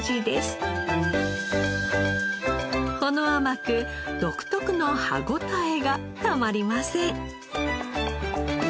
ほの甘く独特の歯応えがたまりません。